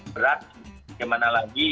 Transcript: berat bagaimana lagi